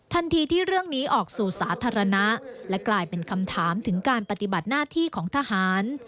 ทันทีที่เรื่องนี้ออกสู่สาธารณะและกลายเป็นคำถามถึงการปฏิบัติหน้าที่ของทหาร